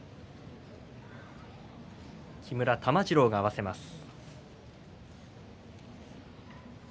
木村玉治郎が合わせます。